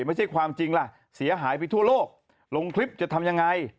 ไม่ใช่ความจริงล่ะเสียหายไปทั่วโลกลงคลิปจะทำยังไง